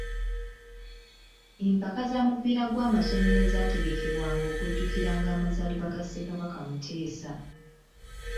Mpaka za mupiira gw'amasomero ezaategekebwanga okujjukiranga amazaalibwa ga Ssekabaka Muteesa.